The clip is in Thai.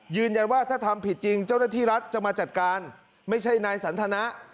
ยืนยันว่าถ้าทำผิดจริงเจ้าหน้าที่รัฐจะมาจัดการไม่ใช่นายสันทนะ